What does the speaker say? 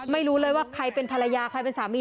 ไม่รู้เลยว่าใครเป็นภรรยาใครเป็นสามี